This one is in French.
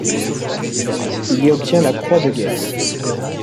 Il y obtient la croix de guerre.